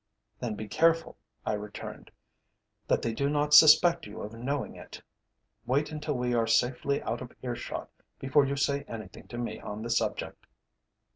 "Then be careful," I returned, "that they do not suspect you of knowing it. Wait until we are safely out of ear shot before you say anything to me on the subject."